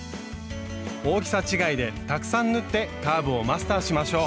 大きさ違いでたくさん縫ってカーブをマスターしましょう。